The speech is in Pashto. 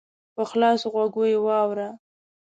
په خلاصو غوږو یې واوره !